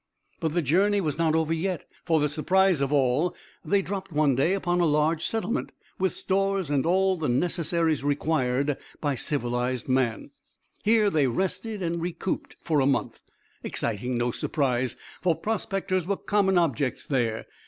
But the journey was not yet over, for, to the surprise of all, they dropped one day upon a large settlement, with stores and all the necessaries required by civilised man. Here they rested and recouped for a month, exciting no surprise, for prospectors were common objects there.